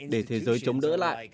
để thế giới chống đỡ lại